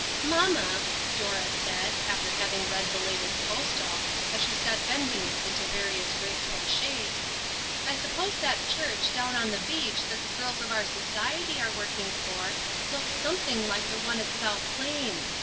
"Mamma," Dora said, after having read the latest postal, as she sat bending it into various graceful shapes, " I suppose that church down on the beach that the girls of our society are working for, looks something like the one at South Plains.